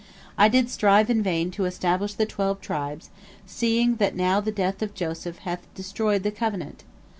I did strive in vain to establish the twelve tribes, seeing that now the death of Joseph hath destroyed the covenant.